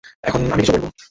এখন আমি কিছু বলবো।